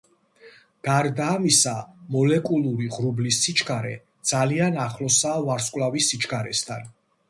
გარდა ამისა, მოლეკულური ღრუბლის სიჩქარე ძალიან ახლოსაა ვარსკვლავის სიჩქარესთან.